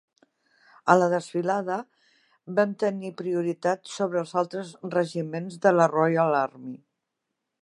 A la desfilada, ven tenir prioritat sobre els altres regiments de la Royal Army.